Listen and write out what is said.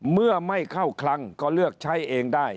เมื่อไม่เข้าคลังก็เลือกใช้เองได้